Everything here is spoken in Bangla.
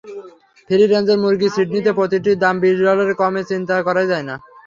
ফ্রি-রেঞ্জের মুরগি সিডনিতে প্রতিটির দাম বিশ ডলারের কমে চিন্তাই করা যায় না।